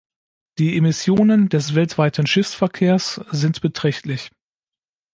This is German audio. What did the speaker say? Die Emissionen des weltweiten Schiffsverkehrs sind beträchtlich.